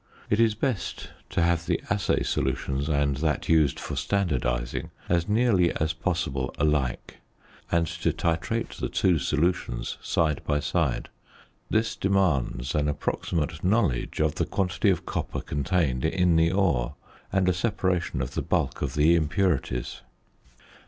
It is best to have the assay solution and that used for standardising as nearly as possible alike, and to titrate the two solutions side by side. This demands an approximate knowledge of the quantity of copper contained in the ore and a separation of the bulk of the impurities.